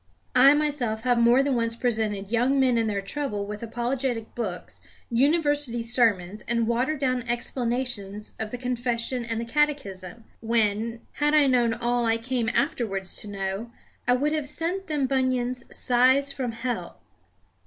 I myself have more than once presented young men in their trouble with apologetic books, University sermons, and watered down explanations of the Confession and the Catechism, when, had I known all I came afterwards to know, I would have sent them Bunyan's Sighs from Hell.